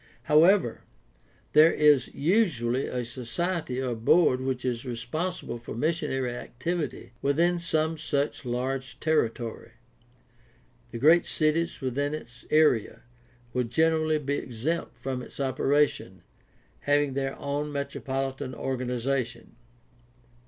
However, there is usually a society or board which is responsible for missionary activity within some such large territory. The great cities within its area will generally be exempt from its operation, having their own metropolitan organization.